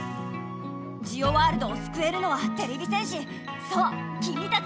ジオワールドをすくえるのはてれび戦士そうきみたちだけメラ！